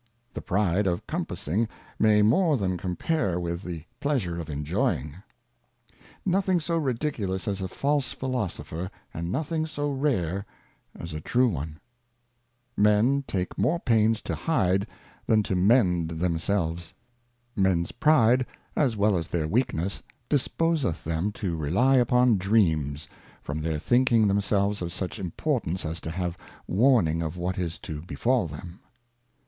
The Pride of Compassing may more than compare with the Pleasure of Enjoying. JOissem NOTHING SO ridiculous as a false Philosopher, and nothing " so rare as a true one. Men and Reflections. 249 Men take more pains to hide than to mend themselves. MENS Pride, as well as their Weakness, disposeth them to Dream/, . rely upon Dreams, from their thinking themselves of such Importance as to have Warning of what is to befal them.